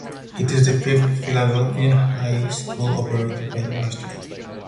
It is the fifth Philadelphia high school operated by Mastery.